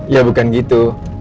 ya bukan gitu